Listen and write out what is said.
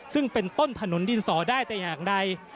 ซึ่งเป็นต้นถนนดินสอได้แต่อย่างใด